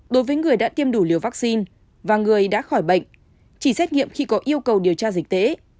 đối với người đã tiêm đủ liều vaccine và người đã khỏi bệnh chỉ xét nghiệm khi có yêu cầu điều tra dịch tễ